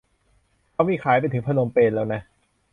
เขามีขายไปถึงพนมเปญแล้วนะ